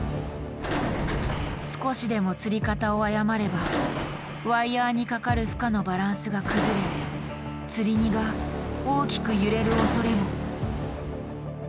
少しでもつり方を誤ればワイヤーにかかる負荷のバランスが崩れつり荷が大きく揺れるおそれも。